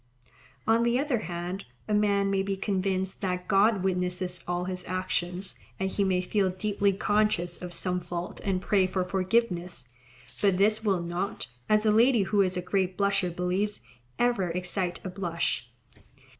On the other hand, a man may be convinced that God witnesses all his actions, and he may feel deeply conscious of some fault and pray for forgiveness; but this will not, as a lady who is a great blusher believes, ever excite a blush.